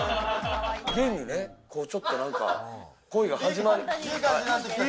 現にね、こうちょっとなんか恋が始まりかけ。